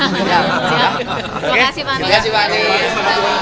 terima kasih pak